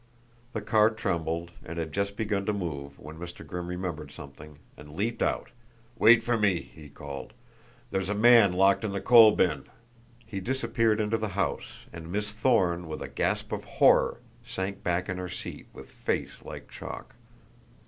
The car trembled and had just begun to move when Mr. Grimm remembered something, and leaped out. "Wait for me!" he called. "There's a man locked in the coal bin!" He disappeared into the house, and Miss Thorne, with a gasp of horror sank back in her seat with face like chalk.